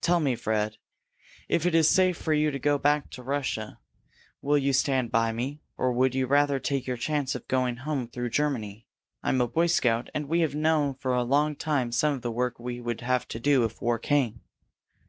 Tell me, Fred. If it is safe for you to go back into Russia, will you stand by me? Or would you rather take your chance of going home through Germany? I'm a Boy Scout, and we have known for a long time some of the work we would have to do if war came."